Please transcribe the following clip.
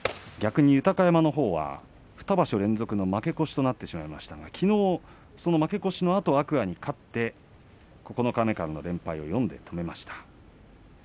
逆に豊山のほうは２場所連続の負け越しとなってしまいましたがきのうはその負け越しのあと天空海に勝って九日目からの連敗を４で止めました。